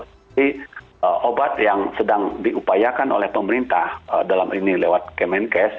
jadi obat yang sedang diupayakan oleh pemerintah dalam ini lewat kemenkes